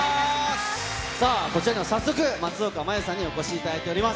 さあ、こちらには早速、松岡茉優さんにお越しいただいております。